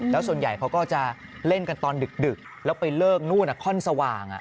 แล้วส่วนใหญ่เขาก็จะเล่นกันตอนดึกแล้วไปเลิกนู่นค่อนสว่าง